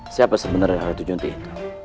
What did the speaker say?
siapa sebenarnya ratu junti itu